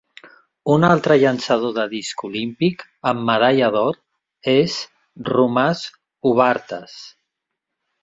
Un altre llançador de disc olímpic amb medalla d'or és Romas Ubartas.